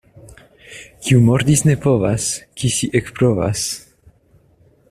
Kiu mordi ne povas, kisi ekprovas.